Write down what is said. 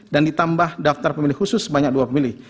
dan ditambah daftar pemilih khusus sebanyak dua pemilih